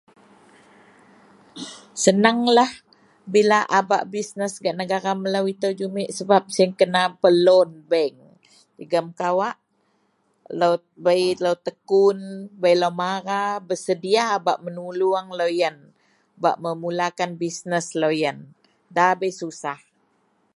Senanglah bila a bak bisnes gak negara melo ito jumit sebab siyen kena peloan bank jegum kawak lo bei lo Tekun, bei lo Mara besedia bak menolong loyen bak memula bisnes loyen nda bei susah.